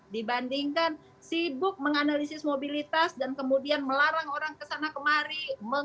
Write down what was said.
dibandingkan sibuk menganalisis mobilitas dan kemudian melarang orang kesana kemari